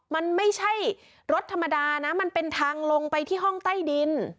มันไม่ใช่รถธรรมดานะมันเป็นทางลงไปที่ห้องใต้ดิน